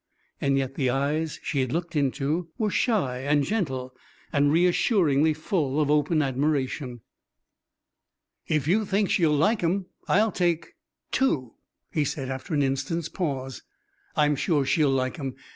Yet the eyes she had looked into were shy and gentle and reassuringly full of open admiration. "If you think she'll like 'em I'll take two," he said after an instant's pause. "I'm sure she'll like 'em.